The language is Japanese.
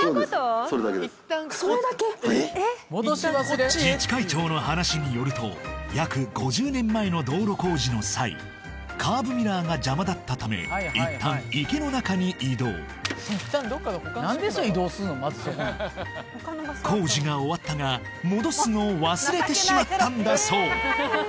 はい自治会長の話によると約５０年前の道路工事の際カーブミラーが邪魔だったため一旦池の中に移動工事が終わったが戻すのを忘れてしまったんだそう